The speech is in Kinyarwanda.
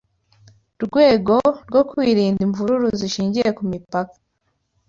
rwego rwo kwirinda imvururu zishingiye ku mipaka